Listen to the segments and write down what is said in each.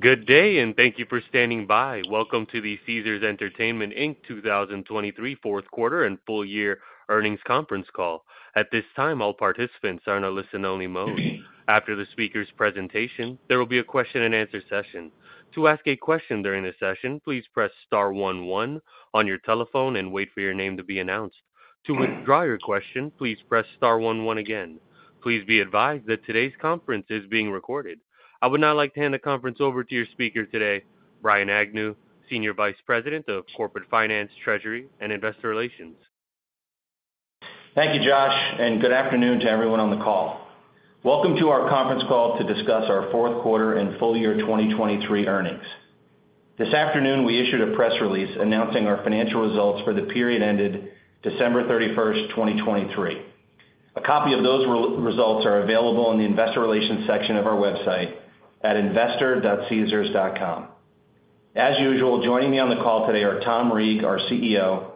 Good day, and thank you for standing by. Welcome to the Caesars Entertainment Inc. 2023 Fourth Quarter and Full Year Earnings Conference Call. At this time, all participants are in a listen-only mode. After the speaker's presentation, there will be a question-and-answer session. To ask a question during the session, please press star one one on your telephone and wait for your name to be announced. To withdraw your question, please press star one one again. Please be advised that today's conference is being recorded. I would now like to hand the conference over to your speaker today, Brian Agnew, Senior Vice President of Corporate Finance, Treasury, and Investor Relations. Thank you, Josh, and good afternoon to everyone on the call. Welcome to our conference call to discuss our fourth quarter and full year 2023 earnings. This afternoon, we issued a press release announcing our financial results for the period ended December 31st, 2023. A copy of those results are available in the investor relations section of our website at investor.caesars.com. As usual, joining me on the call today are Tom Reeg, our CEO;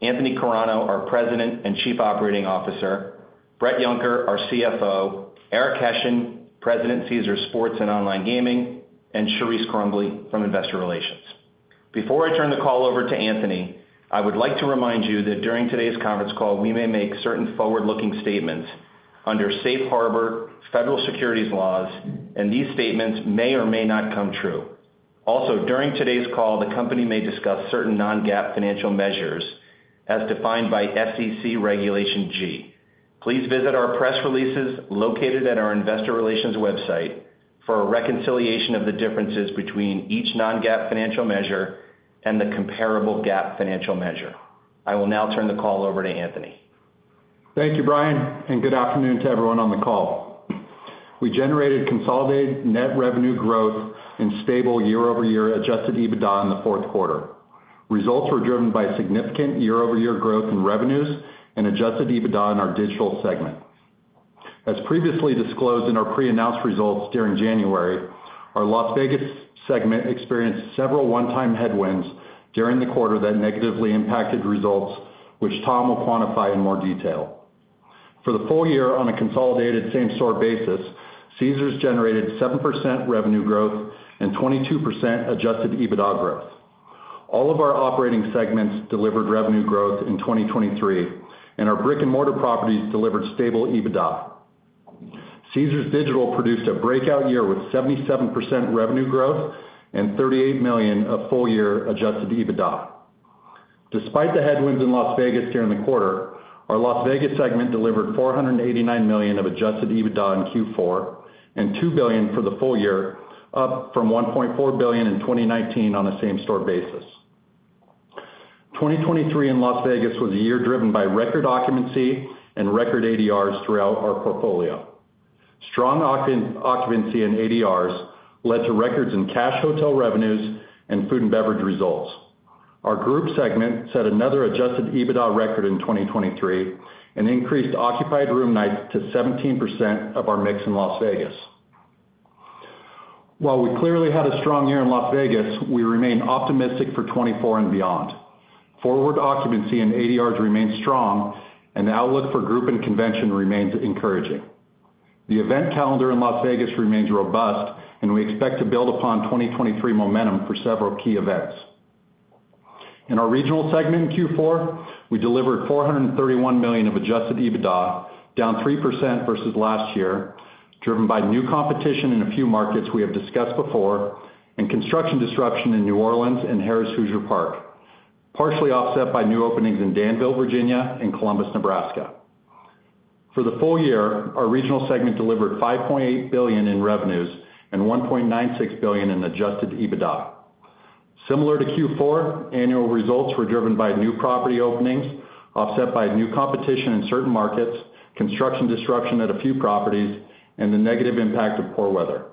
Anthony Carano, our President and Chief Operating Officer; Bret Yunker, our CFO; Eric Hession, President, Caesars Sports and Online Gaming; and Charise Crumbley from Investor Relations. Before I turn the call over to Anthony, I would like to remind you that during today's conference call, we may make certain forward-looking statements under safe harbor, federal securities laws, and these statements may or may not come true. Also, during today's call, the company may discuss certain non-GAAP financial measures as defined by SEC Regulation G. Please visit our press releases located at our investor relations website for a reconciliation of the differences between each non-GAAP financial measure and the comparable GAAP financial measure. I will now turn the call over to Anthony. Thank you, Brian, and good afternoon to everyone on the call. We generated consolidated net revenue growth and stable year-over-year adjusted EBITDA in the fourth quarter. Results were driven by significant year-over-year growth in revenues and adjusted EBITDA in our digital segment. As previously disclosed in our pre-announced results during January, our Las Vegas segment experienced several one-time headwinds during the quarter that negatively impacted results, which Tom will quantify in more detail. For the full year on a consolidated same-store basis, Caesars generated 7% revenue growth and 22% adjusted EBITDA growth. All of our operating segments delivered revenue growth in 2023, and our brick-and-mortar properties delivered stable EBITDA. Caesars Digital produced a breakout year with 77% revenue growth and $38 million of full-year adjusted EBITDA. Despite the headwinds in Las Vegas during the quarter, our Las Vegas segment delivered $489 million of adjusted EBITDA in Q4 and $2 billion for the full year, up from $1.4 billion in 2019 on a same-store basis. 2023 in Las Vegas was a year driven by record occupancy and record ADRs throughout our portfolio. Strong occupancy and ADRs led to records in cash hotel revenues and food and beverage results. Our group segment set another adjusted EBITDA record in 2023 and increased occupied room nights to 17% of our mix in Las Vegas. While we clearly had a strong year in Las Vegas, we remain optimistic for 2024 and beyond. Forward occupancy and ADRs remain strong, and the outlook for group and convention remains encouraging. The event calendar in Las Vegas remains robust, and we expect to build upon 2023 momentum for several key events. In our regional segment in Q4, we delivered $431 million of Adjusted EBITDA, down 3% versus last year, driven by new competition in a few markets we have discussed before and construction disruption in New Orleans and Harrah's Hoosier Park, partially offset by new openings in Danville, Virginia, and Columbus, Nebraska. For the full year, our regional segment delivered $5.8 billion in revenues and $1.96 billion in adjusted EBITDA. Similar to Q4, annual results were driven by new property openings, offset by new competition in certain markets, construction disruption at a few properties, and the negative impact of poor weather.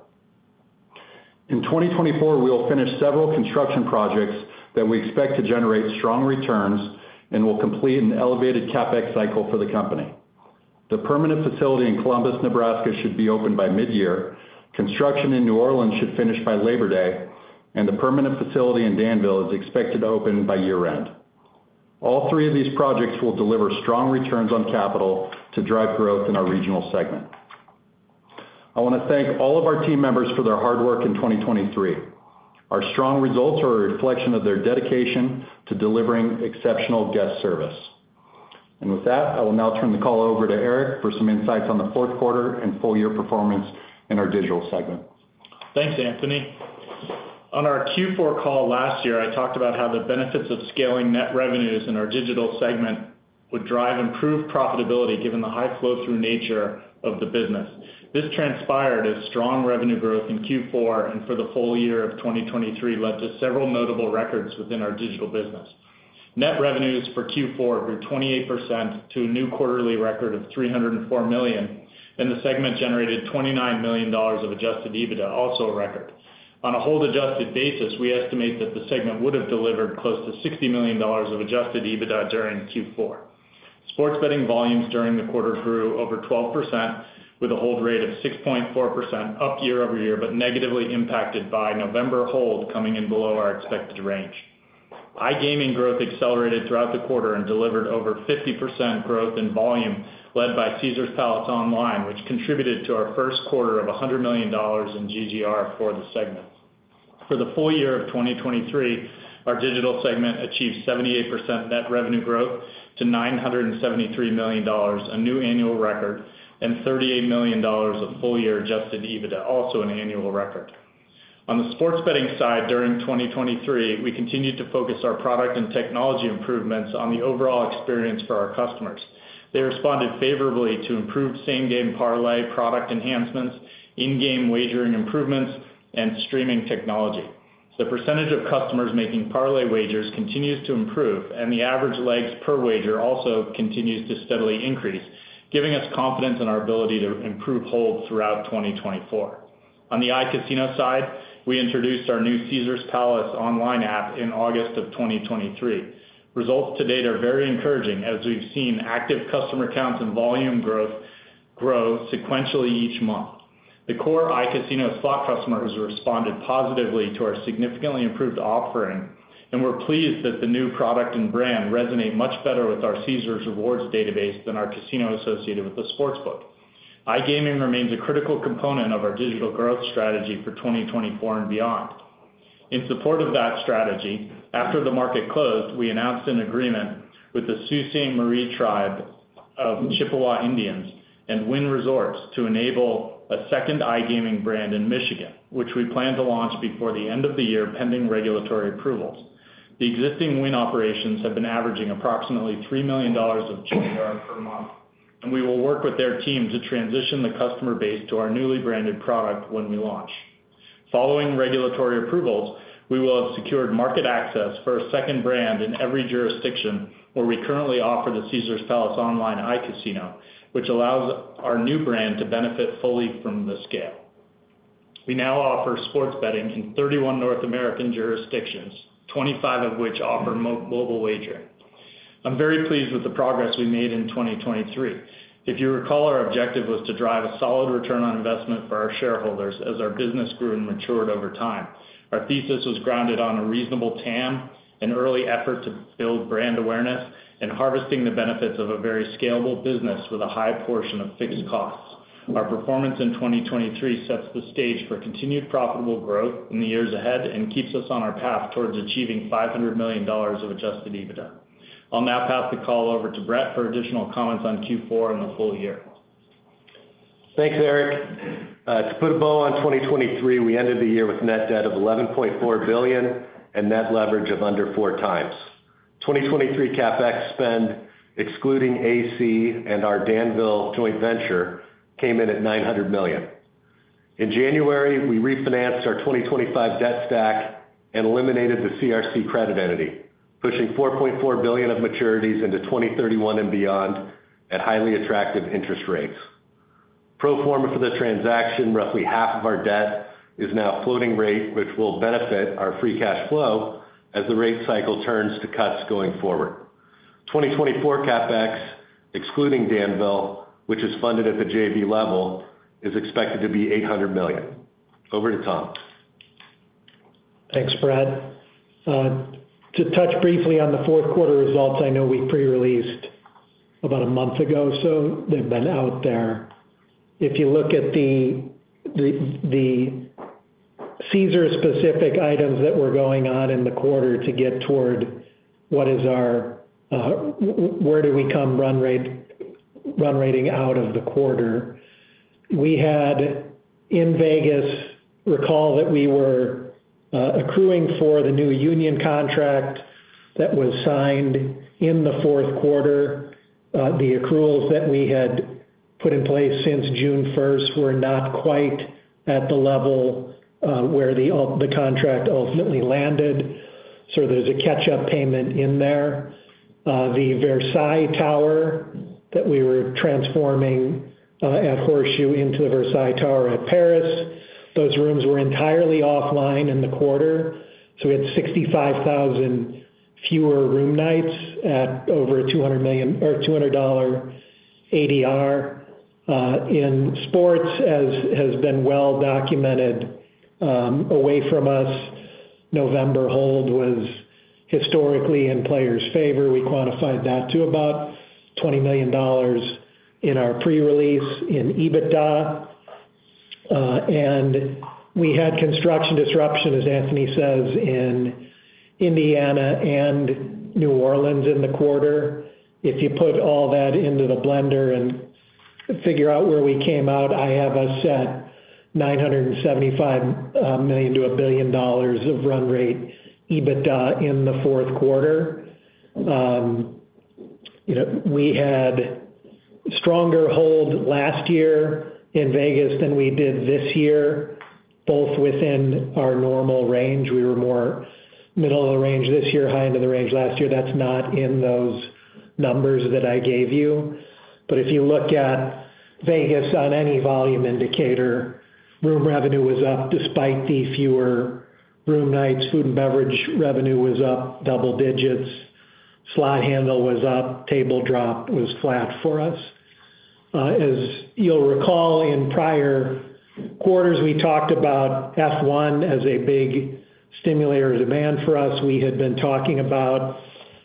In 2024, we'll finish several construction projects that we expect to generate strong returns and will complete an elevated CapEx cycle for the company. The permanent facility in Columbus, Nebraska, should be open by midyear, construction in New Orleans should finish by Labor Day, and the permanent facility in Danville is expected to open by year-end. All three of these projects will deliver strong returns on capital to drive growth in our regional segment. I want to thank all of our team members for their hard work in 2023. Our strong results are a reflection of their dedication to delivering exceptional guest service. With that, I will now turn the call over to Eric for some insights on the fourth quarter and full year performance in our digital segment. Thanks, Anthony. On our Q4 call last year, I talked about how the benefits of scaling net revenues in our digital segment would drive improved profitability, given the high flow-through nature of the business. This transpired as strong revenue growth in Q4, and for the full year of 2023 led to several notable records within our digital business. Net revenues for Q4 grew 28% to a new quarterly record of $304 million, and the segment generated $29 million of adjusted EBITDA, also a record. On a hold-adjusted basis, we estimate that the segment would have delivered close to $60 million of adjusted EBITDA during Q4. Sports betting volumes during the quarter grew over 12%, with a hold rate of 6.4%, up year-over-year, but negatively impacted by November hold coming in below our expected range. iGaming growth accelerated throughout the quarter and delivered over 50% growth in volume, led by Caesars Palace Online, which contributed to our first quarter of $100 million in GGR for the segment. For the full year of 2023, our digital segment achieved 78% net revenue growth to $973 million, a new annual record, and $38 million of full-year adjusted EBITDA, also an annual record. On the sports betting side during 2023, we continued to focus our product and technology improvements on the overall experience for our customers. They responded favorably to improved Same-Game Parlay product enhancements, in-game wagering improvements, and streaming technology. The percentage of customers making parlay wagers continues to improve, and the average legs per wager also continues to steadily increase, giving us confidence in our ability to improve hold throughout 2024. On the iCasino side, we introduced our new Caesars Palace Online app in August 2023. Results to date are very encouraging, as we've seen active customer counts and volume growth sequentially each month. The core iCasino slot customers responded positively to our significantly improved offering, and we're pleased that the new product and brand resonate much better with our Caesars Rewards database than our casino associated with the sportsbook. iGaming remains a critical component of our digital growth strategy for 2024 and beyond. In support of that strategy, after the market closed, we announced an agreement with the Sault Ste. Marie Tribe of Chippewa Indians and Wynn Resorts to enable a second iGaming brand in Michigan, which we plan to launch before the end of the year, pending regulatory approvals. The existing Wynn operations have been averaging approximately $3 million of GGR per month, and we will work with their team to transition the customer base to our newly branded product when we launch. Following regulatory approvals, we will have secured market access for a second brand in every jurisdiction where we currently offer the Caesars Palace Online iCasino, which allows our new brand to benefit fully from the scale. We now offer sports betting in 31 North American jurisdictions, 25 of which offer mobile wagering. I'm very pleased with the progress we made in 2023. If you recall, our objective was to drive a solid return on investment for our shareholders as our business grew and matured over time. Our thesis was grounded on a reasonable TAM, an early effort to build brand awareness, and harvesting the benefits of a very scalable business with a high portion of fixed costs. Our performance in 2023 sets the stage for continued profitable growth in the years ahead and keeps us on our path towards achieving $500 million of adjusted EBITDA. I'll now pass the call over to Bret for additional comments on Q4 and the full year. Thanks, Eric. To put a bow on 2023, we ended the year with net debt of $11.4 billion and net leverage of under 4x. 2023 CapEx spend, excluding AC and our Danville joint venture, came in at $900 million. In January, we refinanced our 2025 debt stack and eliminated the CRC credit entity, pushing $4.4 billion of maturities into 2031 and beyond at highly attractive interest rates. Pro forma for the transaction, roughly half of our debt is now floating rate, which will benefit our free cash flow as the rate cycle turns to cuts going forward. 2024 CapEx, excluding Danville, which is funded at the JV level, is expected to be $800 million. Over to Tom. Thanks, Bret. To touch briefly on the fourth quarter results, I know we pre-released about a month ago, so they've been out there. If you look at the Caesars specific items that were going on in the quarter to get toward what is our where do we come run rate, run rating out of the quarter? We had in Vegas, recall that we were accruing for the new union contract that was signed in the fourth quarter. The accruals that we had put in place since June 1st were not quite at the level where the contract ultimately landed, so there's a catch-up payment in there. The Versailles Tower that we were transforming at Horseshoe into the Versailles Tower at Paris, those rooms were entirely offline in the quarter, so we had 65,000 fewer room nights at over $200 million, or $200 ADR. In sports, as has been well documented, away from us, November hold was historically in players' favor. We quantified that to about $20 million in our pre-release in EBITDA, and we had construction disruption, as Anthony says, in Indiana and New Orleans in the quarter. If you put all that into the blender and figure out where we came out, I have us at $975 million-$1 billion of run rate EBITDA in the fourth quarter. You know, we had stronger hold last year in Vegas than we did this year, both within our normal range. We were more middle of the range this year, high into the range last year. That's not in those numbers that I gave you. But if you look at Vegas on any volume indicator, room revenue was up, despite the fewer room nights. Food and beverage revenue was up double digits. Slot handle was up, table drop was flat for us. As you'll recall, in prior quarters, we talked about F1 as a big stimulator demand for us. We had been talking about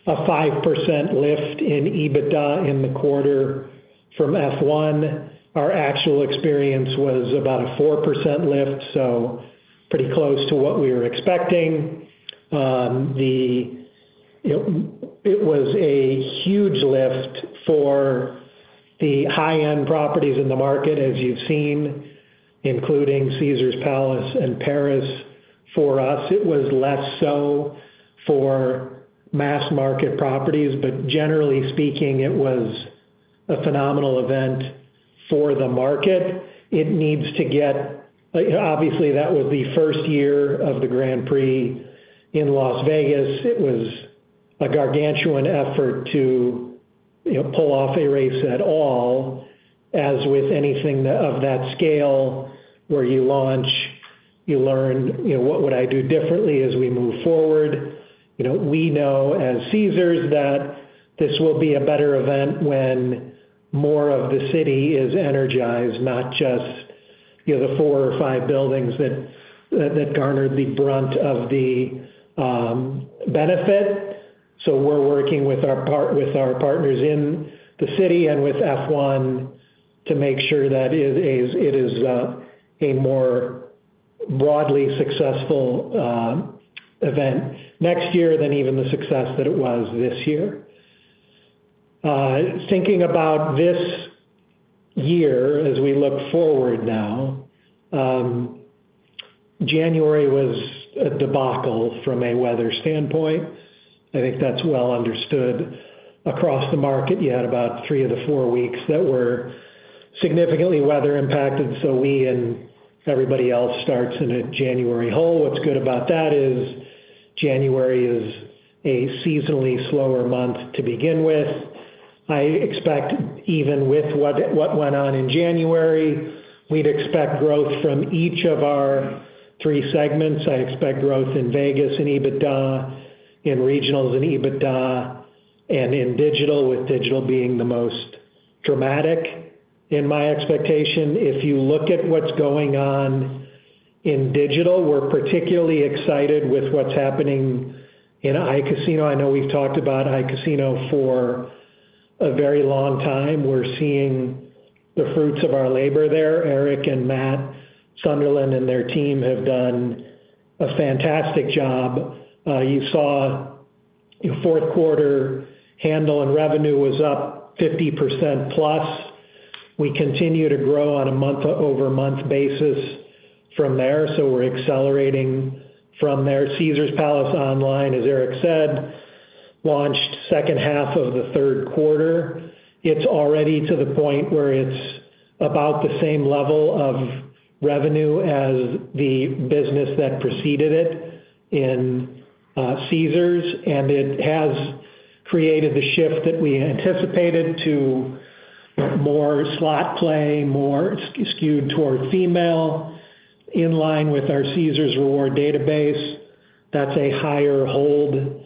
a 5% lift in EBITDA in the quarter from F1. Our actual experience was about a 4% lift, so pretty close to what we were expecting. You know, it was a huge lift for the high-end properties in the market, as you've seen, including Caesars Palace and Paris. For us, it was less so for mass market properties, but generally speaking, it was a phenomenal event for the market. Obviously, that was the first year of the Grand Prix in Las Vegas. It was a gargantuan effort to, you know, pull off a race at all. As with anything of that scale, where you launch, you learn, you know, what would I do differently as we move forward? You know, we know as Caesars that this will be a better event when more of the city is energized, not just, you know, the four or five buildings that garnered the brunt of the benefit. So we're working with our partners in the city and with F1 to make sure that it is a more broadly successful event next year than even the success that it was this year. Thinking about this year as we look forward now, January was a debacle from a weather standpoint. I think that's well understood across the market. You had about three of the four weeks that were significantly weather impacted, so we and everybody else starts in a January hole. What's good about that is January is a seasonally slower month to begin with. I expect even with what went on in January, we'd expect growth from each of our three segments. I expect growth in Vegas, in EBITDA, in regionals, in EBITDA, and in digital, with digital being the most dramatic in my expectation. If you look at what's going on in digital, we're particularly excited with what's happening in iCasino. I know we've talked about iCasino for a very long time. We're seeing the fruits of our labor there. Eric and Matt Sunderland and their team have done a fantastic job. You saw fourth quarter handle and revenue was up 50% plus. We continue to grow on a month-over-month basis from there, so we're accelerating from there. Caesars Palace Online, as Eric said, launched second half of the third quarter. It's already to the point where it's about the same level of revenue as the business that preceded it in Caesars, and it has created the shift that we anticipated to more slot play, more skewed toward female, in line with our Caesars Rewards database. That's a higher hold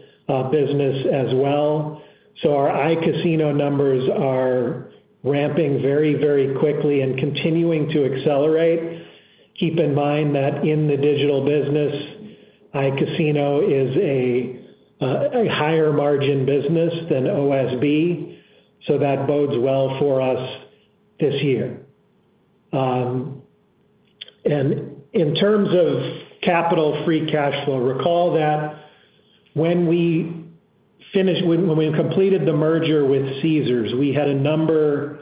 business as well. So our iCasino numbers are ramping very, very quickly and continuing to accelerate. Keep in mind that in the digital business, iCasino is a higher margin business than OSB, so that bodes well for us this year. And in terms of capital free cash flow, recall that when we completed the merger with Caesars, we had a number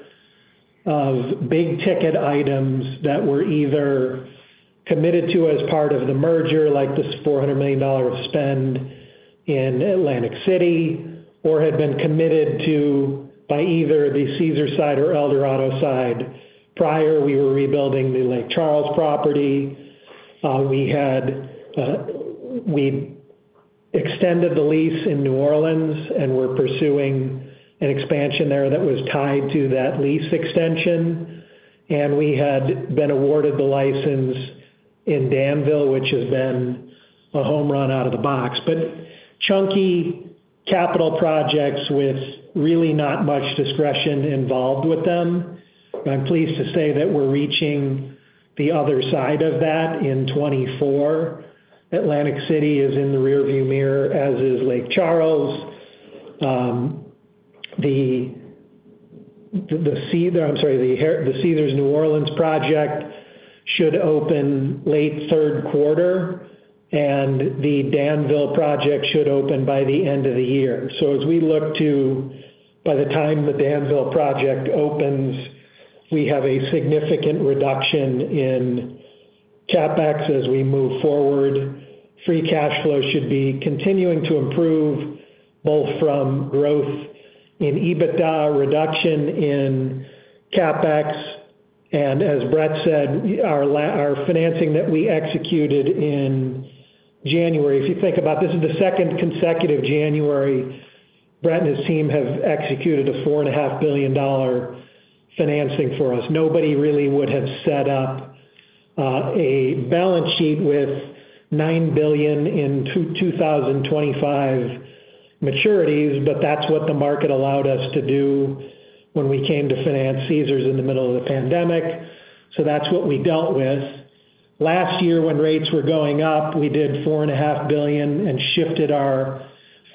of big-ticket items that were either committed to as part of the merger, like this $400 million of spend in Atlantic City, or had been committed to by either the Caesars side or Eldorado side. Prior, we were rebuilding the Lake Charles property. We extended the lease in New Orleans, and we're pursuing an expansion there that was tied to that lease extension. We had been awarded the license in Danville, which has been a home run out of the box. But chunky capital projects with really not much discretion involved with them. I'm pleased to say that we're reaching the other side of that in 2024. Atlantic City is in the rearview mirror, as is Lake Charles. The Caesars New Orleans project should open late third quarter, and the Danville project should open by the end of the year. So as we look to. By the time the Danville project opens, we have a significant reduction in CapEx as we move forward. Free cash flow should be continuing to improve, both from growth in EBITDA, reduction in CapEx, and as Bret said, our financing that we executed in January. If you think about this, is the second consecutive January Bret and his team have executed a $4.5 billion financing for us. Nobody really would have set up a balance sheet with $9 billion in 2025 maturities, but that's what the market allowed us to do when we came to finance Caesars in the middle of the pandemic, so that's what we dealt with. Last year, when rates were going up, we did $4.5 billion and shifted our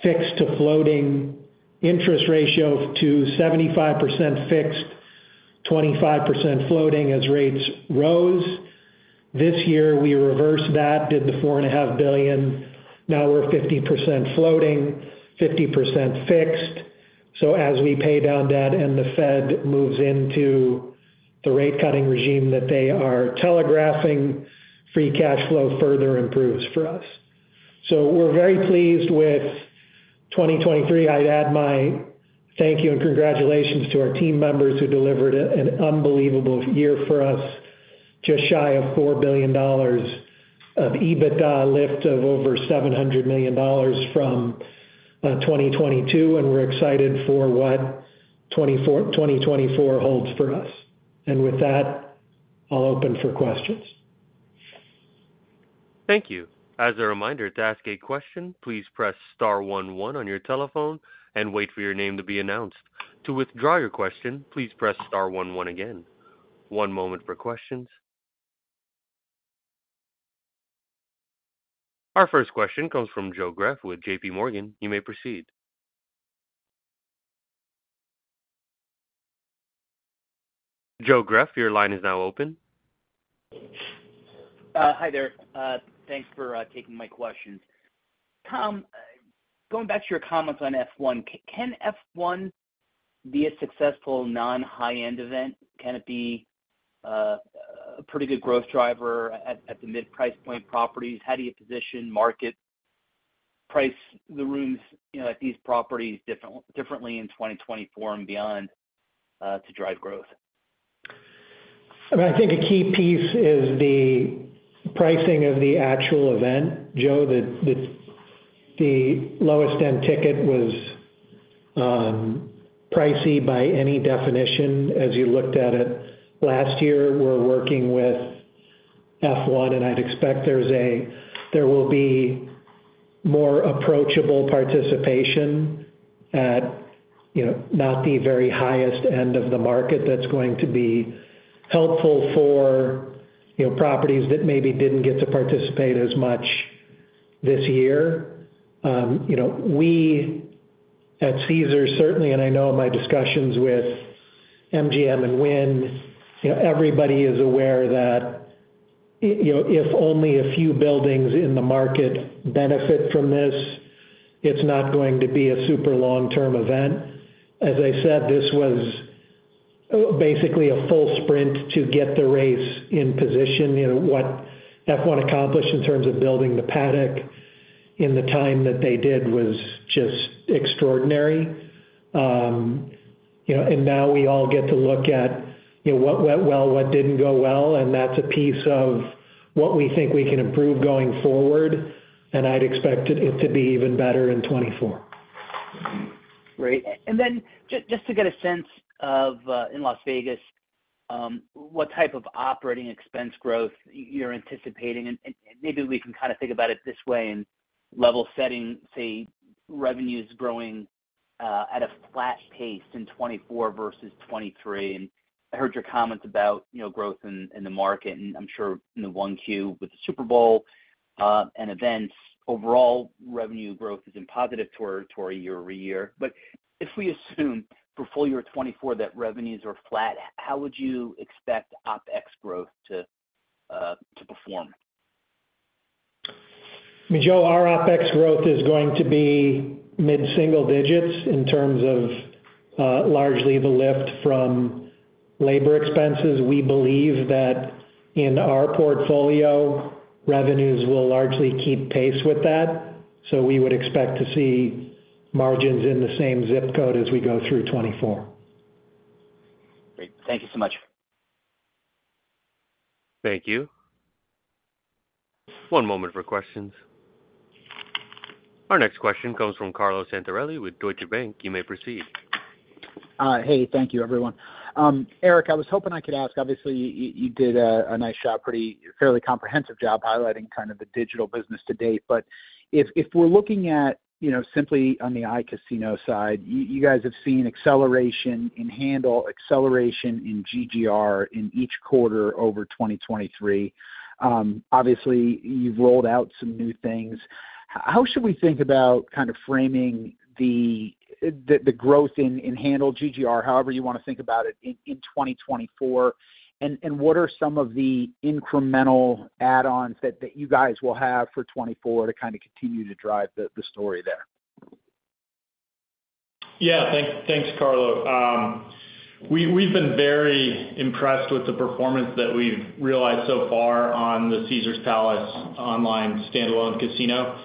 fixed to floating interest ratio to 75% fixed, 25% floating as rates rose. This year, we reversed that, did the $4.5 billion. Now we're 50% floating, 50% fixed. So as we pay down debt and the Fed moves into the rate cutting regime that they are telegraphing, free cash flow further improves for us. So we're very pleased with 2023. I'd add my thank you and congratulations to our team members who delivered an unbelievable year for us, just shy of $4 billion of EBITDA, a lift of over $700 million from 2022, and we're excited for what 2024 holds for us. And with that, I'll open for questions. Thank you. As a reminder, to ask a question, please press star one one on your telephone and wait for your name to be announced. To withdraw your question, please press star one one again. One moment for questions. Our first question comes from Joe Greff with J.P. Morgan. You may proceed. Joe Greff, your line is now open. Hi there. Thanks for taking my questions. Tom, going back to your comments on F1, can F1 be a successful non-high-end event? Can it be a pretty good growth driver at the mid-price point properties? How do you position, market, price the rooms, you know, at these properties differently in 2024 and beyond to drive growth? I mean, I think a key piece is the pricing of the actual event. Joe, the lowest end ticket was pricey by any definition, as you looked at it last year. We're working with F1, and I'd expect there's a—there will be more approachable participation at, you know, not the very highest end of the market. That's going to be helpful for, you know, properties that maybe didn't get to participate as much this year. You know, we at Caesars, certainly, and I know in my discussions with MGM and Wynn, you know, everybody is aware that, you know, if only a few buildings in the market benefit from this, it's not going to be a super long-term event. As I said, this was basically a full sprint to get the race in position. You know, what F1 accomplished in terms of building the paddock in the time that they did was just extraordinary. You know, and now we all get to look at, you know, what went well, what didn't go well, and that's a piece of what we think we can improve going forward, and I'd expect it, it to be even better in 2024. Great. And then just to get a sense of, in Las Vegas, what type of operating expense growth you're anticipating, and maybe we can kind of think about it this way, in level setting, say, revenues growing at a flat pace in 2024 versus 2023. And I heard your comments about, you know, growth in the market, and I'm sure in the 1Q with the Super Bowl and events, overall revenue growth is in positive territory year over year. But if we assume for full year 2024, that revenues are flat, how would you expect OpEx growth to perform? Joe, our OpEx growth is going to be mid-single digits in terms of, largely the lift from labor expenses. We believe that in our portfolio, revenues will largely keep pace with that, so we would expect to see margins in the same zip code as we go through 2024. Great. Thank you so much. Thank you. One moment for questions. Our next question comes from Carlo Santarelli with Deutsche Bank. You may proceed. Hey, thank you, everyone. Eric, I was hoping I could ask, obviously, you did a nice job, pretty fairly comprehensive job highlighting kind of the digital business to date. But if we're looking at, you know, simply on the iCasino side, you guys have seen acceleration in handle, acceleration in GGR in each quarter over 2023. Obviously, you've rolled out some new things. How should we think about kind of framing the growth in handle GGR, however you want to think about it, in 2024? And what are some of the incremental add-ons that you guys will have for 2024 to kind of continue to drive the story there? Yeah. Thanks, Carlo. We've been very impressed with the performance that we've realized so far on the Caesars Palace Online standalone casino.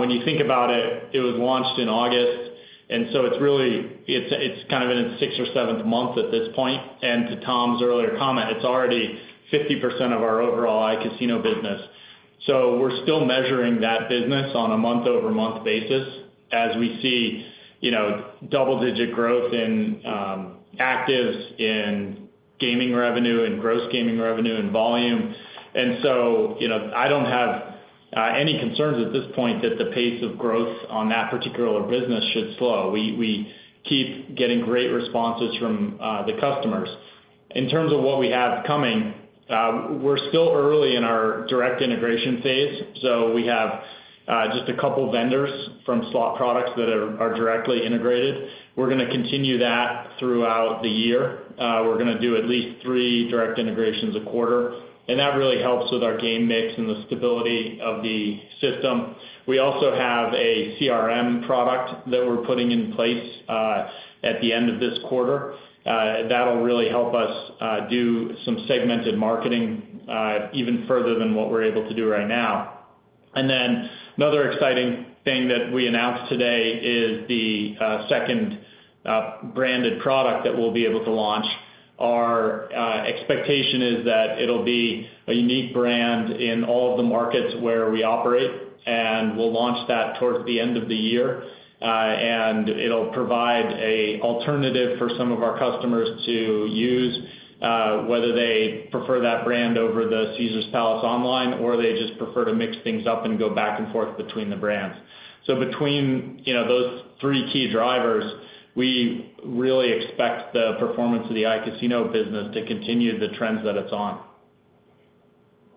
When you think about it, it was launched in August, and so it's really. It's kind of in its sixth or seventh month at this point. And to Tom's earlier comment, it's already 50% of our overall iCasino business. So we're still measuring that business on a month-over-month basis, as we see, you know, double-digit growth in actives, in gaming revenue, and gross gaming revenue and volume. And so, you know, I don't have any concerns at this point that the pace of growth on that particular business should slow. We keep getting great responses from the customers. In terms of what we have coming, we're still early in our direct integration phase, so we have just a couple vendors from slot products that are directly integrated. We're going to continue that throughout the year. We're going to do at least three direct integrations a quarter, and that really helps with our game mix and the stability of the system. We also have a CRM product that we're putting in place at the end of this quarter. That'll really help us do some segmented marketing even further than what we're able to do right now. And then another exciting thing that we announced today is the second branded product that we'll be able to launch. Our expectation is that it'll be a unique brand in all of the markets where we operate, and we'll launch that towards the end of the year. And it'll provide an alternative for some of our customers to use, whether they prefer that brand over the Caesars Palace Online, or they just prefer to mix things up and go back and forth between the brands. So between, you know, those three key drivers, we really expect the performance of the iCasino business to continue the trends that it's on.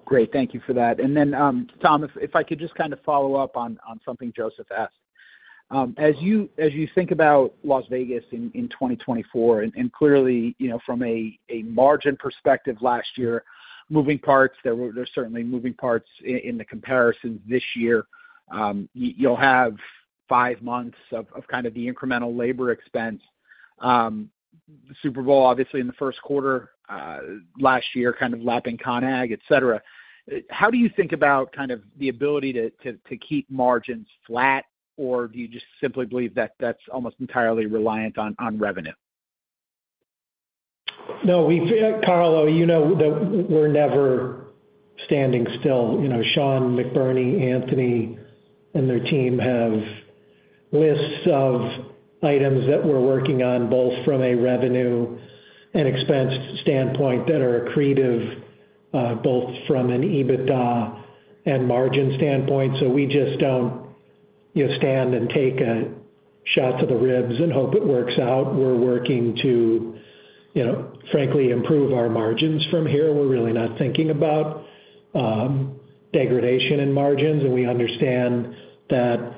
Great. Thank you for that. And then, Tom, if I could just kind of follow up on something Joseph asked. As you think about Las Vegas in 2024, and clearly, you know, from a margin perspective last year, moving parts, there were—there's certainly moving parts in the comparisons this year. You'll have five months of kind of the incremental labor expense. Super Bowl, obviously, in the first quarter last year, kind of lapping CON/AGG, etc. How do you think about kind of the ability to keep margins flat, or do you just simply believe that that's almost entirely reliant on revenue? No, we, Carlo, you know that we're never standing still. You know, Sean McBurney, Anthony, and their team have lists of items that we're working on, both from a revenue and expense standpoint, that are accretive, both from an EBITDA and margin standpoint. So we just don't, you stand and take a shot to the ribs and hope it works out. We're working to, you know, frankly, improve our margins from here. We're really not thinking about degradation in margins, and we understand that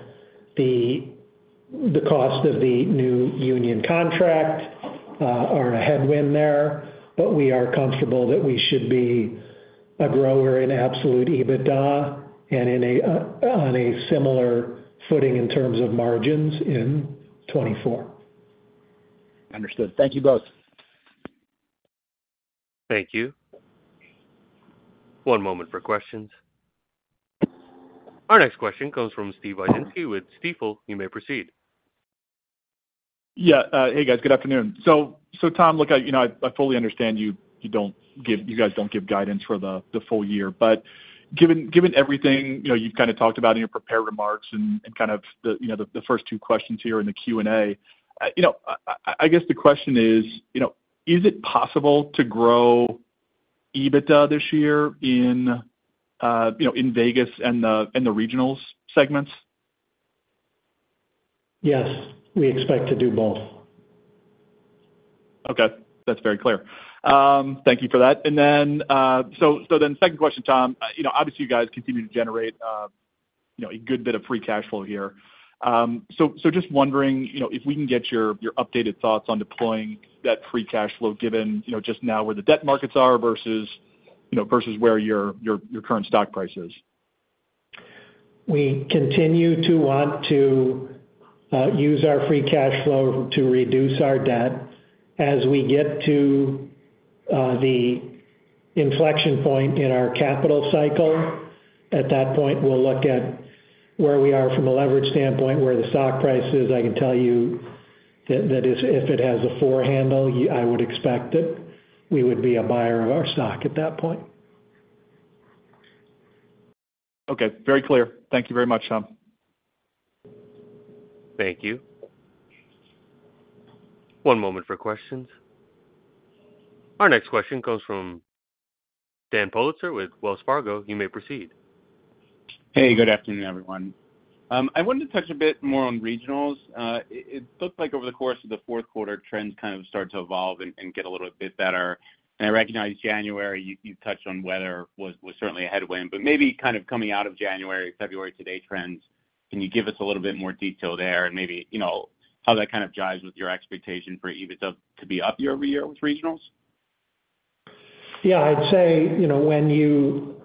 the cost of the new union contract are a headwind there. But we are comfortable that we should be a grower in absolute EBITDA and in a on a similar footing in terms of margins in 2024. Understood. Thank you both. Thank you. One moment for questions. Our next question comes from Steve Wieczynski with Stifel. You may proceed. Yeah, hey, guys. Good afternoon. So, Tom, look, I fully understand you guys don't give guidance for the full year. But given everything, you know, you've kind of talked about in your prepared remarks and kind of the first two questions here in the Q&A, you know, I guess the question is, you know, is it possible to grow EBITDA this year in Vegas and the regionals segments? Yes, we expect to do both. Okay, that's very clear. Thank you for that. And then, second question, Tom. You know, obviously, you guys continue to generate, you know, a good bit of free cash flow here. So just wondering, you know, if we can get your updated thoughts on deploying that free cash flow, given, you know, just now where the debt markets are versus, you know, versus where your current stock price is. We continue to want to use our free cash flow to reduce our debt. As we get to the inflection point in our capital cycle, at that point, we'll look at where we are from a leverage standpoint, where the stock price is. I can tell you that if it has a four handle, I would expect that we would be a buyer of our stock at that point. Okay, very clear. Thank you very much, Tom. Thank you. One moment for questions. Our next question comes from Dan Politzer with Wells Fargo. You may proceed. Hey, good afternoon, everyone. I wanted to touch a bit more on regionals. It looked like over the course of the fourth quarter, trends kind of started to evolve and get a little bit better. I recognize January, you touched on weather, was certainly a headwind. But maybe kind of coming out of January, February, today trends, can you give us a little bit more detail there? And maybe, you know, how that kind of jibes with your expectation for EBITDA to be up year-over-year with regionals? Yeah, I'd say, you know, when you--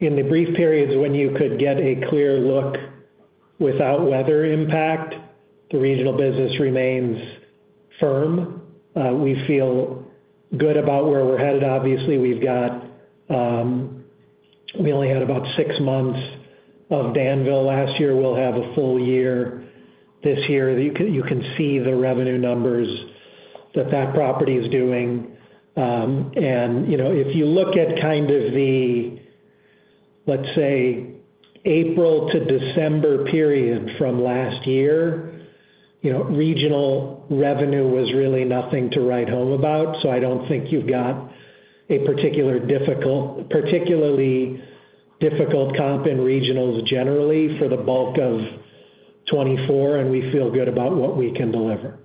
in the brief periods, when you could get a clear look without weather impact, the regional business remains firm. We feel good about where we're headed. Obviously, we've got, we only had about six months of Danville last year. We'll have a full year this year. You can, you can see the revenue numbers that that property is doing. And, you know, if you look at kind of the, let's say, April to December period from last year, you know, regional revenue was really nothing to write home about, so I don't think you've got a particular difficult-- particularly difficult comp in regionals generally for the bulk of 2024, and we feel good about what we can deliver.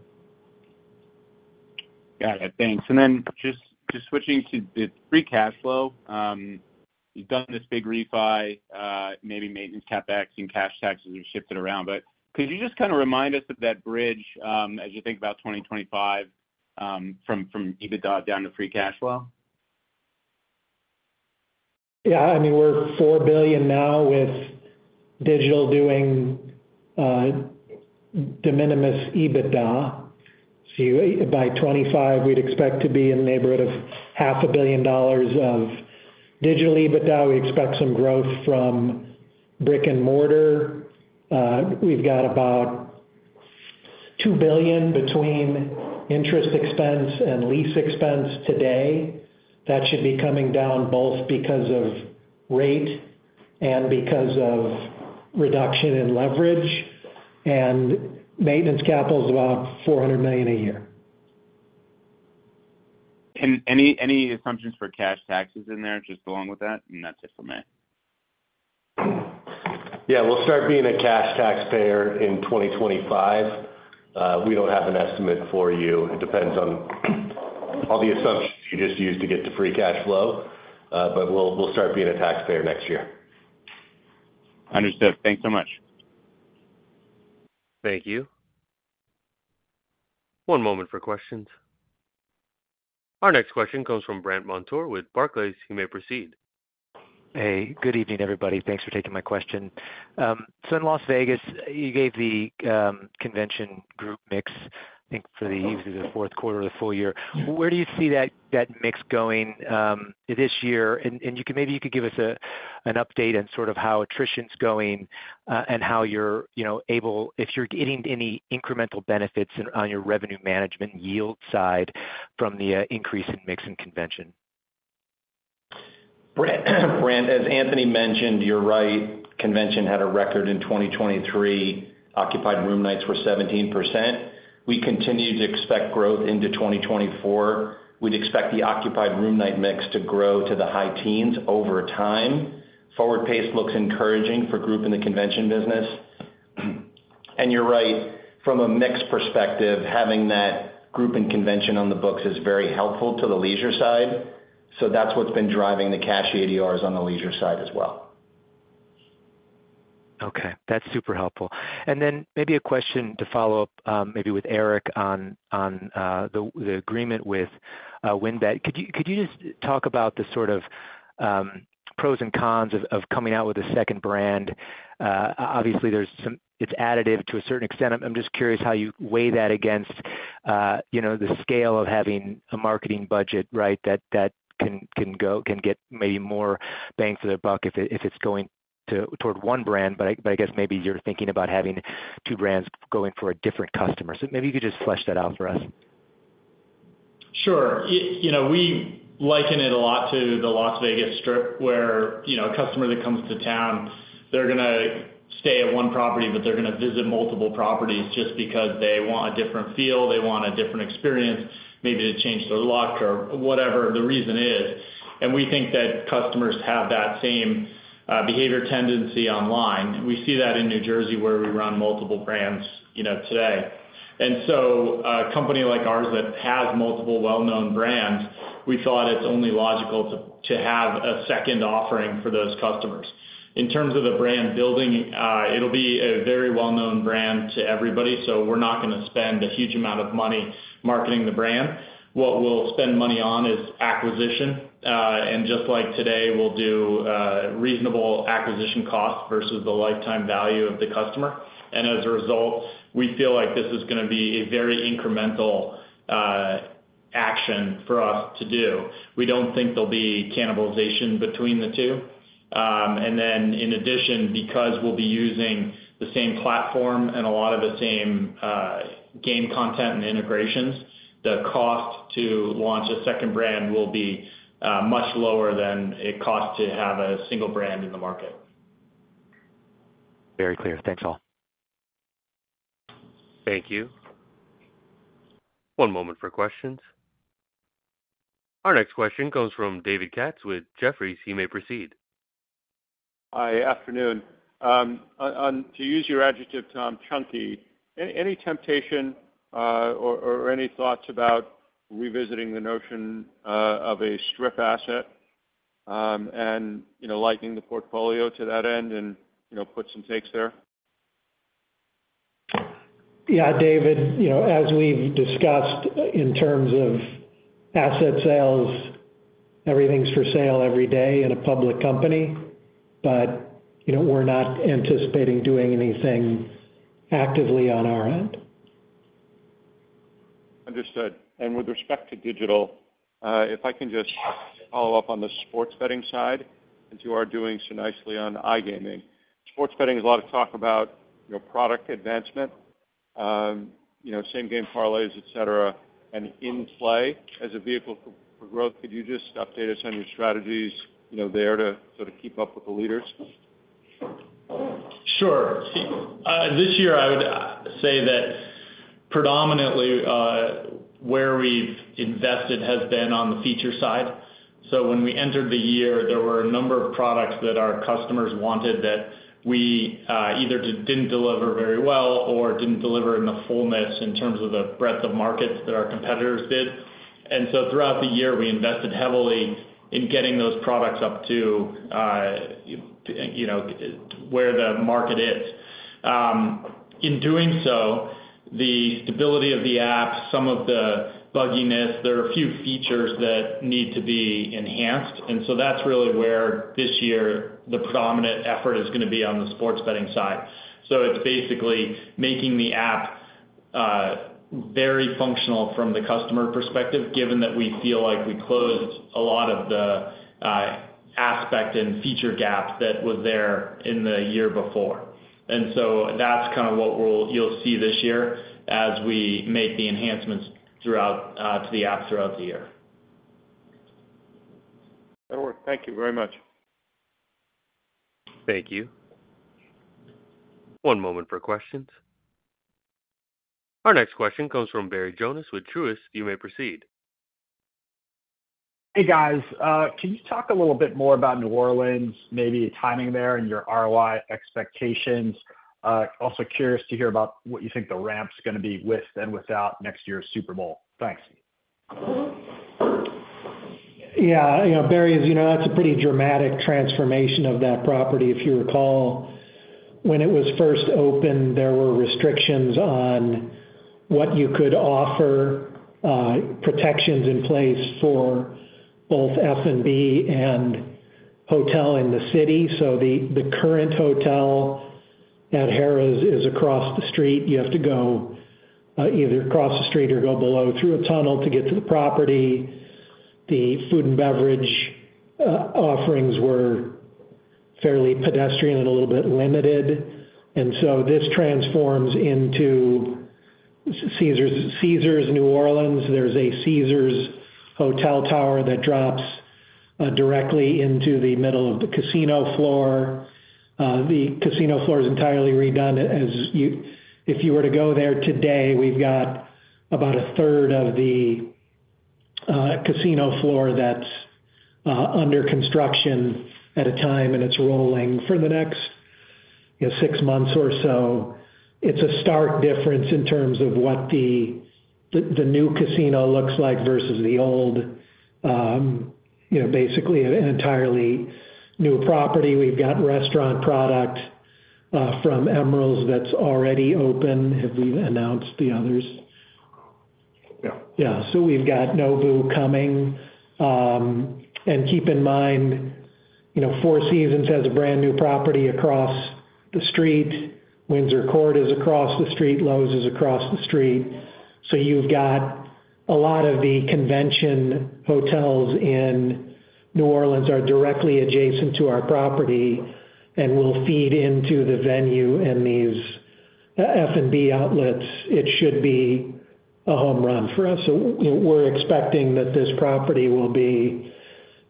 Got it. Thanks. And then just switching to the free cash flow. You've done this big refi, maybe maintenance CapEx, and cash taxes are shifted around. But could you just kind of remind us of that bridge as you think about 2025 from EBITDA down to free cash flow? Yeah, I mean, we're $4 billion now with digital doing de minimis EBITDA. So by 2025, we'd expect to be in the neighborhood of $500 million of digital EBITDA. We expect some growth from brick-and-mortar. We've got about $2 billion between interest expense and lease expense today. That should be coming down both because of rate and because of reduction in leverage, and maintenance capital is about $400 million a year. Any, any assumptions for cash taxes in there, just along with that? That's it for me. Yeah, we'll start being a cash taxpayer in 2025. We don't have an estimate for you. It depends on all the assumptions you just used to get to free cash flow, but we'll, we'll start being a taxpayer next year. Understood. Thanks so much. Thank you. One moment for questions. Our next question comes from Brandt Montour with Barclays. You may proceed. Hey, good evening, everybody. Thanks for taking my question. So in Las Vegas, you gave the convention group mix, I think, for the fourth quarter of the full year. Where do you see that, that mix going this year? And you can, maybe you could give us an update on sort of how attrition's going, and how you're, you know, able. If you're getting any incremental benefits on your revenue management yield side from the increase in mix and convention. Brandt, Brandt, as Anthony mentioned, you're right. Convention had a record in 2023. Occupied room nights were 17%. We continue to expect growth into 2024. We'd expect the occupied room night mix to grow to the high teens over time. Forward pace looks encouraging for group in the convention business. And you're right, from a mix perspective, having that group and convention on the books is very helpful to the leisure side. So that's what's been driving the cash ADRs on the leisure side as well. Okay, that's super helpful. And then maybe a question to follow up, maybe with Eric on the agreement with WynnBET. Could you just talk about the sort of pros and cons of coming out with a second brand? Obviously, there's some-- it's additive to a certain extent. I'm just curious how you weigh that against, you know, the scale of having a marketing budget, right? That can get maybe more bang for their buck if it's going to toward one brand. But I guess maybe you're thinking about having two brands going for a different customer. So maybe you could just flesh that out for us. Sure. You know, we liken it a lot to the Las Vegas Strip, where, you know, a customer that comes to town, they're gonna stay at one property, but they're gonna visit multiple properties just because they want a different feel, they want a different experience, maybe to change their luck or whatever the reason is. And we think that customers have that same behavior tendency online. We see that in New Jersey, where we run multiple brands, you know, today. And so a company like ours that has multiple well-known brands, we thought it's only logical to have a second offering for those customers. In terms of the brand building, it'll be a very well-known brand to everybody, so we're not gonna spend a huge amount of money marketing the brand. What we'll spend money on is acquisition, and just like today, we'll do reasonable acquisition costs versus the lifetime value of the customer. And as a result, we feel like this is gonna be a very incremental action for us to do. We don't think there'll be cannibalization between the two. And then in addition, because we'll be using the same platform and a lot of the same game content and integrations, the cost to launch a second brand will be much lower than it costs to have a single brand in the market. Very clear. Thanks, all. Thank you. One moment for questions. Our next question comes from David Katz with Jefferies. He may proceed. Hi, afternoon. To use your adjective, Tom, chunky, any temptation or any thoughts about revisiting the notion of a Strip asset, and, you know, lightening the portfolio to that end and, you know, puts and takes there? Yeah, David, you know, as we've discussed in terms of asset sales, everything's for sale every day in a public company, but, you know, we're not anticipating doing anything actively on our end. Understood. With respect to digital, if I can just follow up on the sports betting side, since you are doing so nicely on iGaming, sports betting, there's a lot of talk about, you know, product advancement, you know, same-game parlays, etc., and in-play as a vehicle for growth. Could you just update us on your strategies, you know, there to sort of keep up with the leaders? Sure. This year, I would say that predominantly, where we've invested has been on the feature side. So when we entered the year, there were a number of products that our customers wanted that we either didn't deliver very well or didn't deliver in the fullness in terms of the breadth of markets that our competitors did. And so throughout the year, we invested heavily in getting those products up to, you know, where the market is. In doing so, the stability of the app, some of the bugginess, there are a few features that need to be enhanced, and so that's really where, this year, the predominant effort is gonna be on the sports betting side. So it's basically making the app very functional from the customer perspective, given that we feel like we closed a lot of the aspect and feature gap that was there in the year before. And so that's kind of what you'll see this year as we make the enhancements throughout to the app throughout the year. Thank you very much. Thank you. One moment for questions. Our next question comes from Barry Jonas with Truist. You may proceed. Hey, guys, can you talk a little bit more about New Orleans, maybe the timing there and your ROI expectations? Also curious to hear about what you think the ramp's gonna be with and without next year's Super Bowl. Thanks. Yeah. You know, Barry, as you know, that's a pretty dramatic transformation of that property. If you recall, when it was first opened, there were restrictions on what you could offer, protections in place for both F&B and hotel in the city. So the current hotel at Harrah's is across the street. You have to go either across the street or go below through a tunnel to get to the property. The food and beverage offerings were fairly pedestrian and a little bit limited. And so this transforms into Caesars, Caesars New Orleans. There's a Caesars hotel tower that drops directly into the middle of the casino floor. The casino floor is entirely redone. As you if you were to go there today, we've got about a third of the casino floor that's under construction at a time, and it's rolling for the next, you know, six months or so. It's a stark difference in terms of what the new casino looks like versus the old, you know, basically an entirely new property. We've got restaurant product from Emeril's that's already open. Have we announced the others? Yeah. Yeah. So we've got Nobu coming. And keep in mind, you know, Four Seasons has a brand-new property across the street. Windsor Court is across the street. Loews is across the street. So you've got a lot of the convention hotels in New Orleans are directly adjacent to our property and will feed into the venue and these, F&B outlets. It should be a home run for us. We're expecting that this property will be,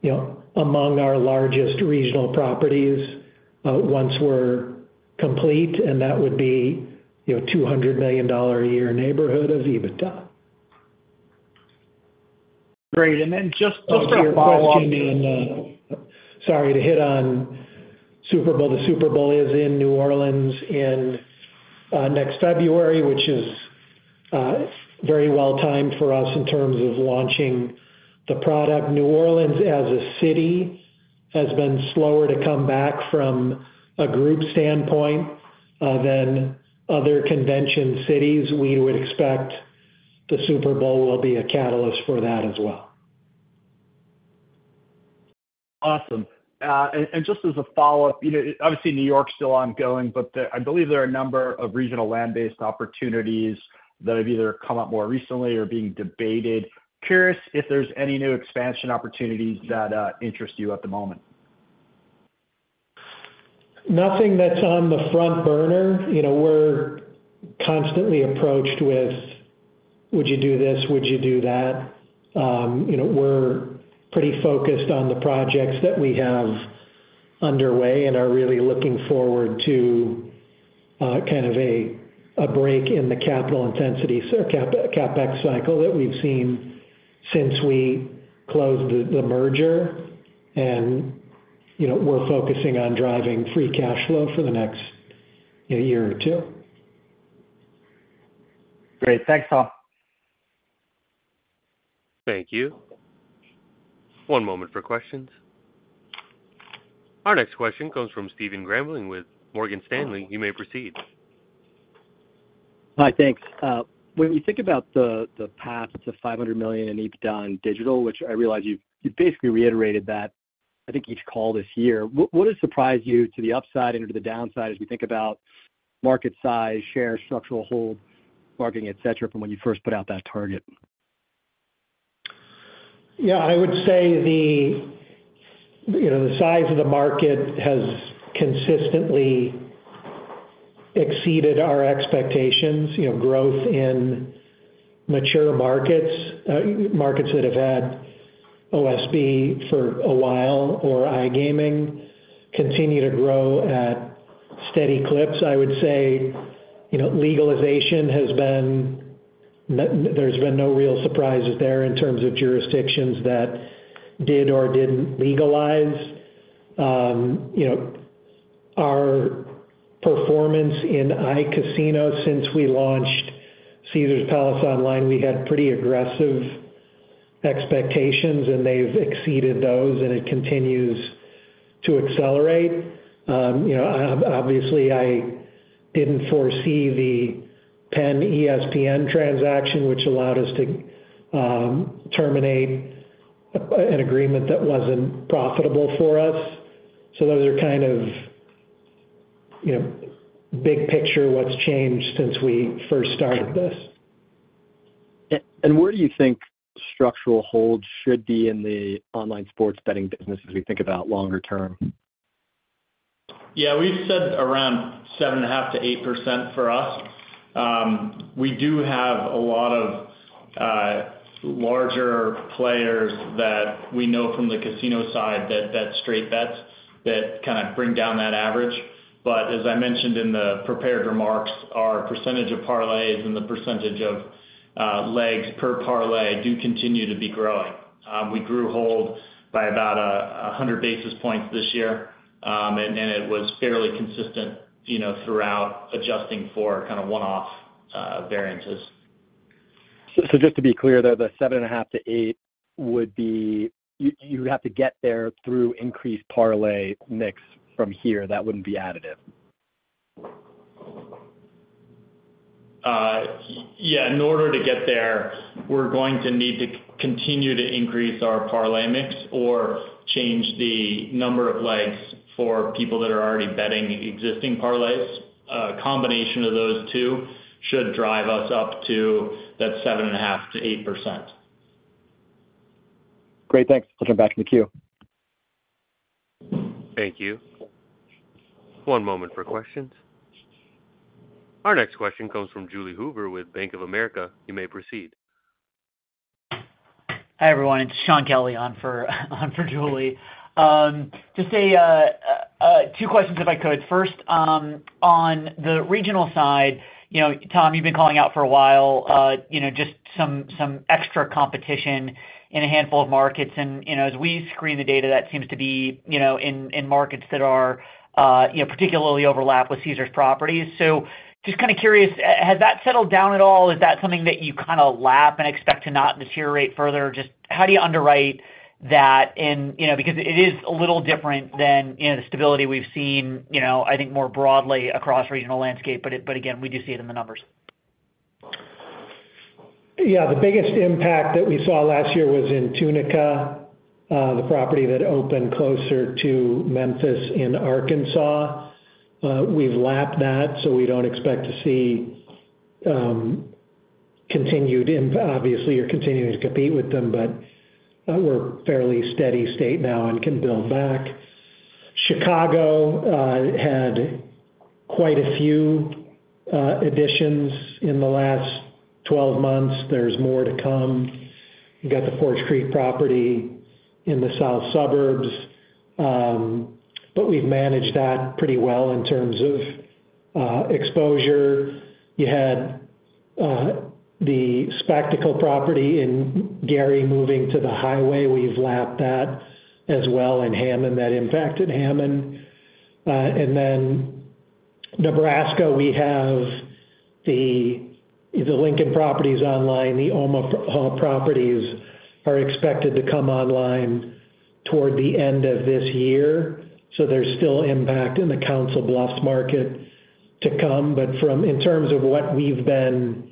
you know, among our largest regional properties, once we're complete, and that would be, you know, $200 million a year neighborhood of EBITDA. Great. And then just, just a follow-up- Sorry, to hit on Super Bowl. The Super Bowl is in New Orleans in next February, which is very well timed for us in terms of launching the product. New Orleans, as a city, has been slower to come back from a group standpoint than other convention cities. We would expect the Super Bowl will be a catalyst for that as well. Awesome. And just as a follow-up, you know, obviously, New York's still ongoing, but I believe there are a number of regional land-based opportunities that have either come up more recently or are being debated. Curious if there's any new expansion opportunities that interest you at the moment. Nothing that's on the front burner. You know, we're constantly approached with: Would you do this? Would you do that? You know, we're pretty focused on the projects that we have underway and are really looking forward to kind of a break in the capital intensity, so CapEx cycle that we've seen since we closed the merger. You know, we're focusing on driving free cash flow for the next year or two. Great. Thanks, all. Thank you. One moment for questions. Our next question comes from Stephen Grambling with Morgan Stanley. You may proceed. Hi, thanks. When we think about the path to $500 million in EBITDA in digital, which I realize you've basically reiterated that, I think, each call this year. What has surprised you to the upside and/or to the downside as we think about market size, share, structural hold, marketing, et cetera, from when you first put out that target? Yeah, I would say the, you know, the size of the market has consistently exceeded our expectations. You know, growth in mature markets, markets that have had OSB for a while or iGaming continue to grow at steady clips. I would say, you know, legalization has been. There's been no real surprises there in terms of jurisdictions that did or didn't legalize. You know, obviously, I didn't foresee the Penn-ESPN transaction, which allowed us to, terminate an agreement that wasn't profitable for us. So those are kind of, you know, big picture, what's changed since we first started this. Where do you think structural hold should be in the online sports betting business as we think about longer term? Yeah, we've said around 7.5%-8% for us. We do have a lot of larger players that we know from the casino side that bet straight bets, that kind of bring down that average. But as I mentioned in the prepared remarks, our percentage of parlays and the percentage of legs per parlay do continue to be growing. We grew hold by about a hundred basis points this year, and it was fairly consistent, you know, throughout adjusting for kind of one-off variances. So just to be clear, though, the 7.5%-8% would be... You would have to get there through increased parlay mix from here, that wouldn't be additive? Yeah, in order to get there, we're going to need to continue to increase our parlay mix or change the number of legs for people that are already betting existing parlays. A combination of those two should drive us up to that 7.5%-8%. Great. Thanks. I'll turn back in the queue. Thank you. One moment for questions. Our next question comes from Julie Hoover with Bank of America. You may proceed. Hi, everyone. It's Shaun Kelley on for, on for Julie. Just two questions, if I could. First, on the regional side, you know, Tom, you've been calling out for a while, you know, just some extra competition in a handful of markets. And, you know, as we screen the data, that seems to be, you know, in markets that are, you know, particularly overlap with Caesars properties. So just kind of curious, has that settled down at all? Is that something that you kind of lap and expect to not deteriorate further? Just how do you underwrite that in. You know, because it is a little different than, you know, the stability we've seen, you know, I think more broadly across regional landscape. But again, we do see it in the numbers. Yeah, the biggest impact that we saw last year was in Tunica, the property that opened closer to Memphis in Arkansas. We've lapped that, so we don't expect to see continued obviously, you're continuing to compete with them, but, we're fairly steady state now and can build back. Chicago, had quite a few additions in the last 12 months. There's more to come. You got the Forge Creek property in the south suburbs, but we've managed that pretty well in terms of exposure. You had, the Spectacle property in Gary moving to the highway. We've lapped that as well in Hammond. That impacted Hammond. And then Nebraska, we have the Lincoln property is online. The Omaha properties are expected to come online toward the end of this year, so there's still impact in the Council Bluffs market to come. But from in terms of what we've been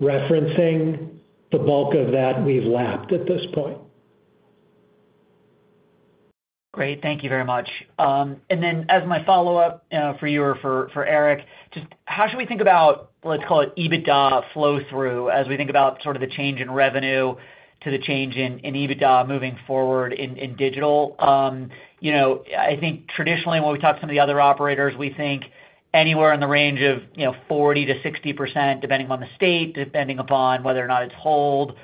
referencing, the bulk of that, we've lapped at this point. Great. Thank you very much. And then as my follow-up, for you or for Eric, just how should we think about, let's call it, EBITDA flow-through, as we think about sort of the change in revenue to the change in EBITDA moving forward in digital? You know, I think traditionally, when we talk to some of the other operators, we think anywhere in the range of, you know, 40%-60%, depending upon the state, depending upon whether or not it's hold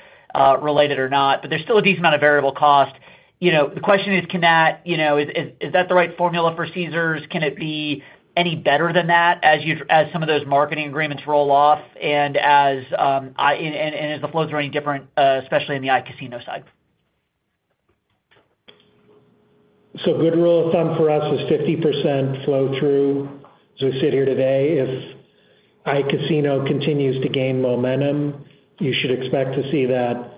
related or not, but there's still a decent amount of variable cost. You know, the question is, can that? You know, is that the right formula for Caesars? Can it be any better than that as some of those marketing agreements roll off and as in, are the flows running different, especially in the iCasino side? a good rule of thumb for us is 50% flow through. As we sit here today, if iCasino continues to gain momentum, you should expect to see that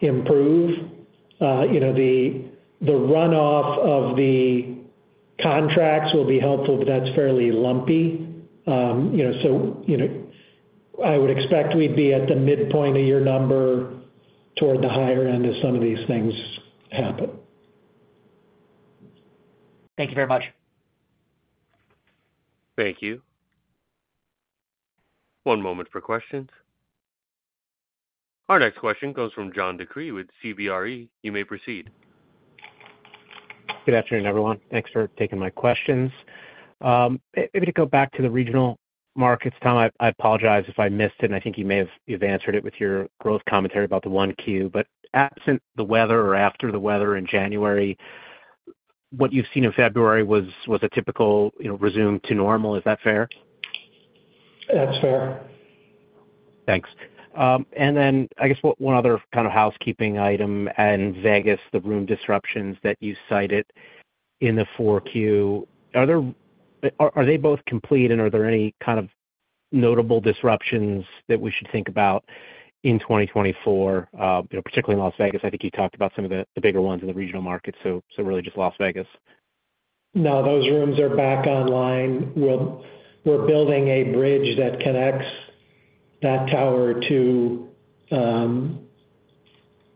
improve. You know, the runoff of the contracts will be helpful, but that's fairly lumpy. You know, so, you know, I would expect we'd be at the midpoint of your number toward the higher end as some of these things happen. Thank you very much. Thank you. One moment for questions. Our next question comes from John DeCree with CBRE. You may proceed. Good afternoon, everyone. Thanks for taking my questions. Maybe to go back to the regional markets, Tom, I apologize if I missed it, and I think you may have, you've answered it with your growth commentary about the 1Q. But absent the weather or after the weather in January, what you've seen in February was a typical, you know, resume to normal. Is that fair? That's fair. Thanks. And then I guess one, one other kind of housekeeping item, and Vegas, the room disruptions that you cited in Q4, are there, are, are they both complete, and are there any kind of notable disruptions that we should think about in 2024, you know, particularly in Las Vegas? I think you talked about some of the, the bigger ones in the regional market, so, so really just Las Vegas. No, those rooms are back online. We're building a bridge that connects that tower to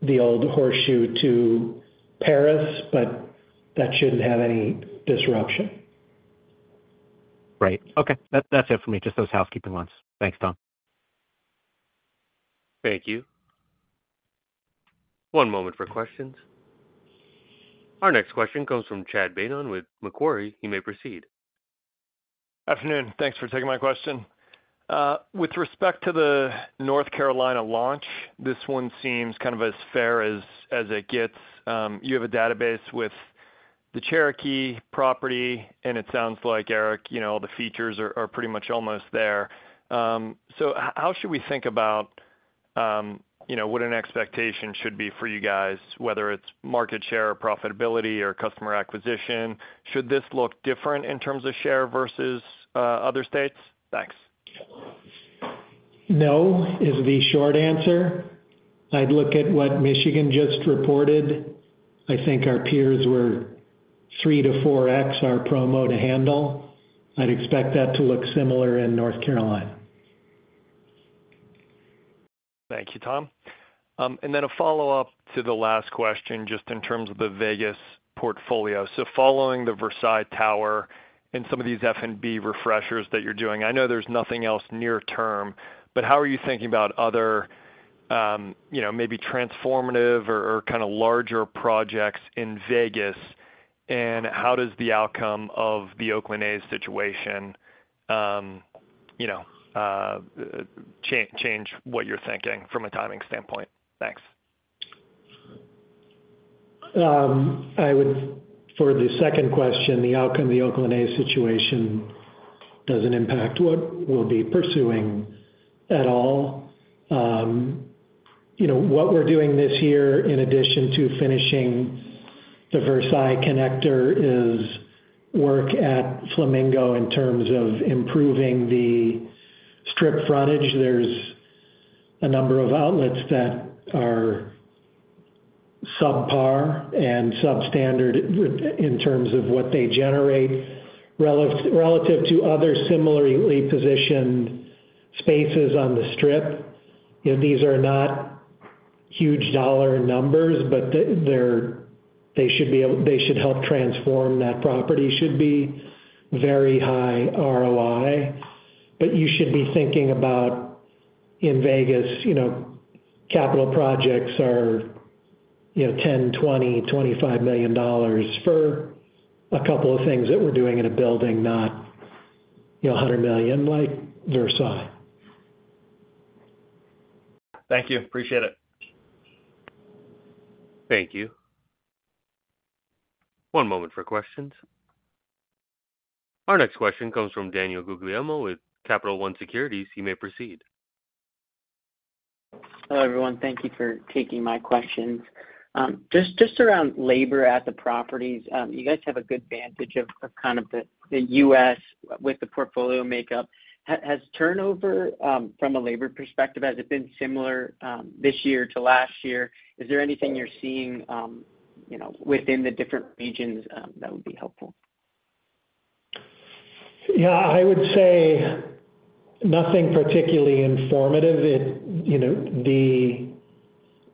the old Horseshoe to Paris, but that shouldn't have any disruption. Great. Okay, that, that's it for me. Just those housekeeping ones. Thanks, Tom. Thank you. One moment for questions. Our next question comes from Chad Beynon with Macquarie. You may proceed. Afternoon, thanks for taking my question. With respect to the North Carolina launch, this one seems kind of as fair as it gets. You have a database with the Cherokee property, and it sounds like, Eric, you know, the features are pretty much almost there. So how should we think about, you know, what an expectation should be for you guys, whether it's market share, or profitability, or customer acquisition? Should this look different in terms of share versus other states? Thanks. No, is the short answer. I'd look at what Michigan just reported. I think our peers were 3x-4x, our promo-to-handle. I'd expect that to look similar in North Carolina. Thank you, Tom. And then a follow-up to the last question, just in terms of the Vegas portfolio. So following the Versailles Tower and some of these F&B refreshers that you're doing, I know there's nothing else near term, but how are you thinking about other, you know, maybe transformative or, or kind of larger projects in Vegas? And how does the outcome of the Oakland A's situation, you know, change what you're thinking from a timing standpoint? Thanks. I would for the second question, the outcome of the Oakland A's situation doesn't impact what we'll be pursuing at all. You know, what we're doing this year, in addition to finishing the Versailles connector, is work at Flamingo in terms of improving the Strip frontage. There's a number of outlets that are subpar and substandard in terms of what they generate, relative to other similarly positioned spaces on the Strip. You know, these are not huge dollar numbers, but they're, they should be able to help transform that property. Should be very high ROI. But you should be thinking about in Vegas, you know, capital projects are, you know, $10 million, $20 million, $25 million for a couple of things that we're doing in a building, not, you know, $100 million, like Versailles. Thank you. Appreciate it. Thank you. One moment for questions. Our next question comes from Daniel Guglielmo with Capital One Securities. You may proceed. Hello, everyone. Thank you for taking my questions. Just around labor at the properties, you guys have a good vantage of kind of the U.S. with the portfolio makeup. Has turnover from a labor perspective been similar this year to last year? Is there anything you're seeing, you know, within the different regions that would be helpful? Yeah, I would say nothing particularly informative. It... You know, the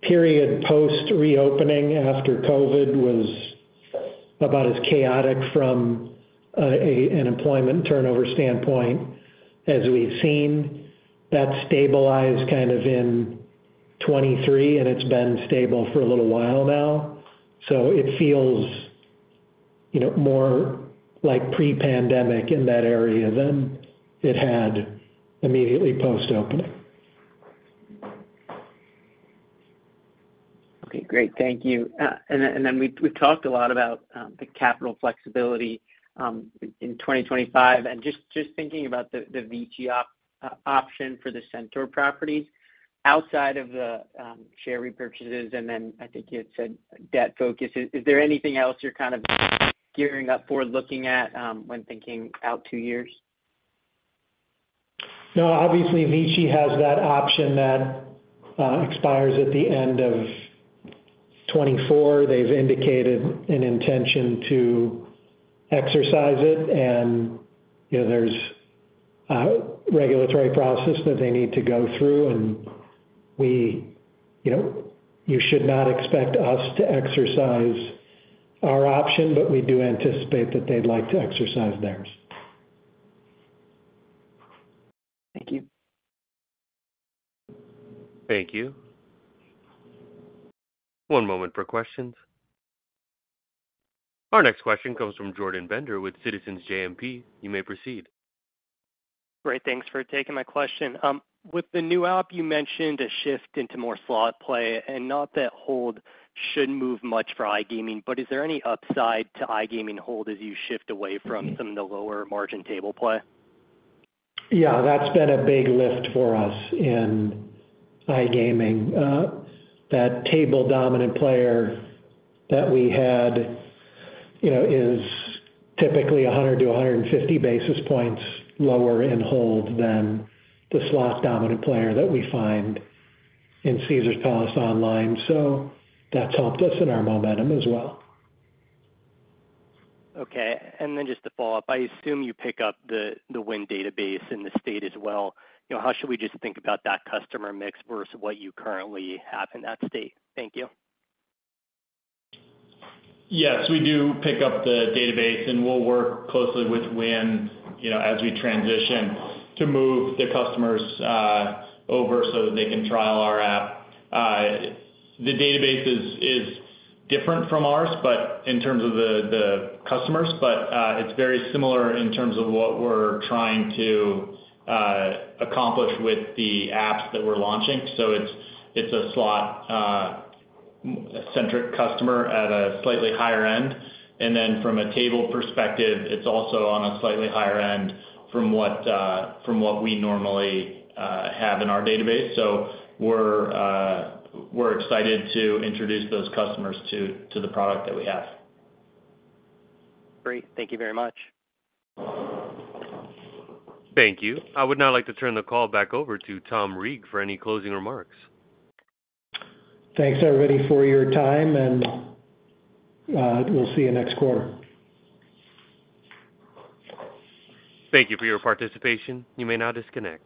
period post-reopening after COVID was about as chaotic from an employment turnover standpoint as we've seen. That stabilized kind of in 2023, and it's been stable for a little while now. So it feels, you know, more like pre-pandemic in that area than it had immediately post-opening. Okay, great. Thank you. And then, and then we've talked a lot about the capital flexibility in 2025, and just thinking about the VICI option for the Centaur properties. Outside of the share repurchases, and then I think you had said debt focus, is there anything else you're kind of gearing up for, looking at when thinking out two years? No, obviously, VICI has that option that expires at the end of 2024. They've indicated an intention to exercise it, and, you know, there's a regulatory process that they need to go through, and we, you know, you should not expect us to exercise our option, but we do anticipate that they'd like to exercise theirs. Thank you. Thank you. One moment for questions. Our next question comes from Jordan Bender with Citizens JMP. You may proceed. Great. Thanks for taking my question. With the new app, you mentioned a shift into more slot play, and not that hold shouldn't move much for iGaming, but is there any upside to iGaming hold as you shift away from some of the lower margin table play? Yeah, that's been a big lift for us in iGaming. That table-dominant player that we had, you know, is typically 100-150 basis points lower in hold than the slot-dominant player that we find in Caesars Palace Online. So that's helped us in our momentum as well. Okay, and then just to follow up, I assume you pick up the Wynn database in the state as well. You know, how should we just think about that customer mix versus what you currently have in that state? Thank you. Yes, we do pick up the database, and we'll work closely with Wynn, you know, as we transition, to move their customers over so that they can trial our app. The database is different from ours, but in terms of the customers, but it's very similar in terms of what we're trying to accomplish with the apps that we're launching. So it's a slot-centric customer at a slightly higher end. And then from a table perspective, it's also on a slightly higher end from what we normally have in our database. So we're excited to introduce those customers to the product that we have. Great. Thank you very much. Thank you. I would now like to turn the call back over to Tom Reeg for any closing remarks. Thanks, everybody, for your time, and we'll see you next quarter. Thank you for your participation. You may now disconnect.